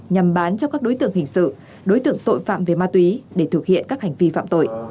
nhằm bán cho các đối tượng hình sự đối tượng tội phạm về ma túy để thực hiện các hành vi phạm tội